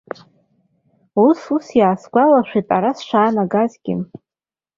Ус, ус, иаасгәалашәеит ара сшаанагазгьы.